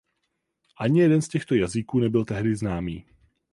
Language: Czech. Ani jeden z těchto jazyků nebyl tehdy známý.